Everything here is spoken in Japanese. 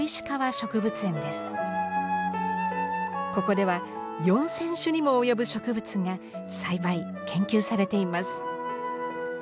ここでは４，０００種にも及ぶ植物が栽培研究されています。